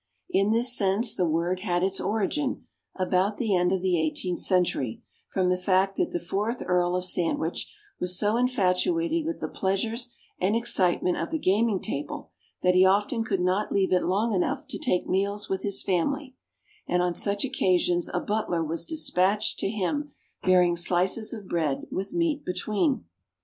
In this sense, the word had its origin, about the end of the eighteenth century, from the fact that the fourth Earl of Sandwich was so infatuated with the pleasures and excitement of the gaming table that he often could not leave it long enough to take his meals with his family; and, on such occasions, a butler was despatched to him bearing "slices of bread with meat between."